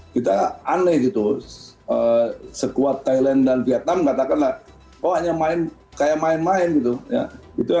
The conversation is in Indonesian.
kita aneh gitu sekuat thailand dan vietnam katakanlah kok hanya main kayak main main gitu ya